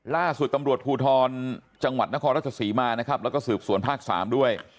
ล่าสุดตำรวจภูทรจังหวัดนครราชศรีมานะครับแล้วก็สืบสวนภาค๓ด้วย